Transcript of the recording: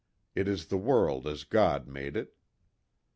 It is the world as God made it."